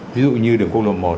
ví dụ như đường quốc lộ một